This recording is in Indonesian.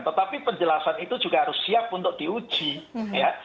tetapi penjelasan itu juga harus siap untuk diuji ya